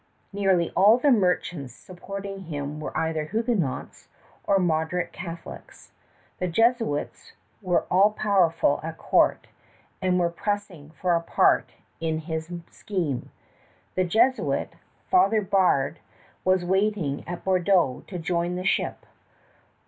Nearly all the merchants supporting him were either Huguenots or moderate Catholics. The Jesuits were all powerful at court, and were pressing for a part in his scheme. The Jesuit, Father Biard, was waiting at Bordeaux to join the ship.